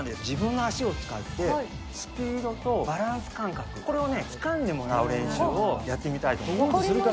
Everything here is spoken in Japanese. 自分の足を使って、スピードとバランス感覚、これをつかんでもらう練習をやってみたいと思っています。